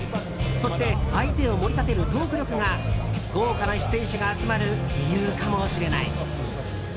そして相手を盛り立てるトーク力が豪華な出演者が集まる理由かもしれない。